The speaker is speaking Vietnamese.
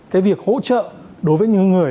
cái việc hỗ trợ đối với những người